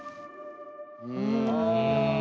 うん。